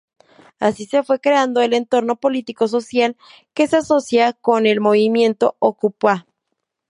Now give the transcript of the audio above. Así se fue creando el entorno político-social que se asocia con el movimiento okupa.